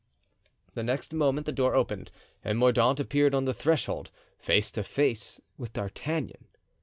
The next moment the door opened and Mordaunt appeared on the threshold, face to face with D'Artagnan.